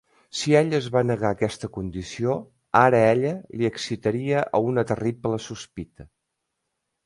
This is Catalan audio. Si ella es va negar aquesta condició ara ella li excitaria a una terrible sospita.